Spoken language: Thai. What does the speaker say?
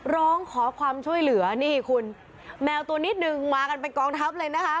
ร้องขอความช่วยเหลือนี่คุณแมวตัวนิดนึงมากันเป็นกองทัพเลยนะคะ